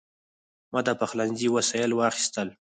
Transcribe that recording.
ما د پخلنځي وسایل واخیستل.